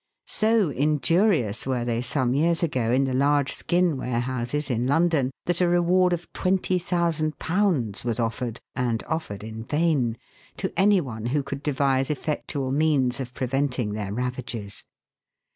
So injurious were they some years ago in the large skin warehouses in London that a reward of ^20,000 was offered, and offered in vain, to any one who could devise effectual means of preventing their ravages.